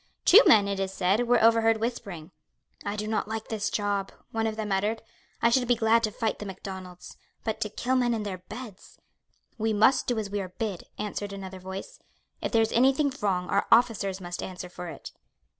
Two men, it is said, were overheard whispering. "I do not like this job;" one of them muttered, "I should be glad to fight the Macdonalds. But to kill men in their beds " "We must do as we are bid," answered another voice. "If there is any thing wrong, our officers must answer for it."